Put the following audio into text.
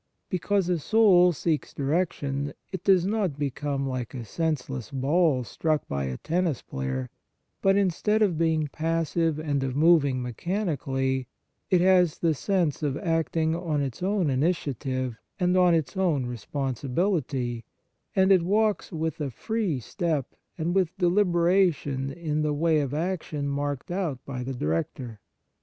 Because a soul seeks direction, it does not become like a senseless ball struck by a tennis player ; but instead of being passive 106 The Sacrament of Penance and of moving mechanically, it has the sense of acting on its own initia tive and on its own responsibility, and it walks with a free step and with deliberation in the way of action marked out by the director.